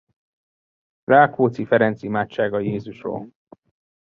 Rákóczi Ferenc imádsága Jézusról.